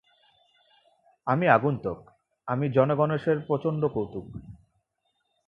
আমি আগন্তুক, আমি জনগণেশের প্রচণ্ড কৌতুক।